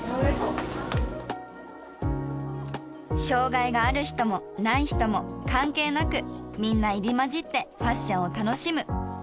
障害がある人もない人も関係なくみんな入り交じってファッションを楽しむ。